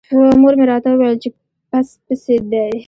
مور مې راته وویل چې پس پسي دی.